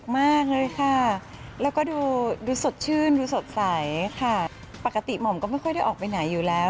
ไม่ค่อยได้ออกไปไหนอยู่แล้ว